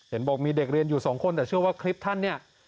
เห็นบอกนี่อยู่มีเด็กเรียนสองคน